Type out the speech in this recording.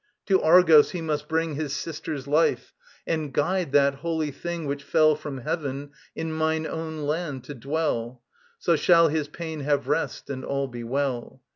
To Argos he must bring His sister's life, and guide that Holy Thing Which fell from heaven, in mine own land to dwell. So shall his pain have rest, and all be well.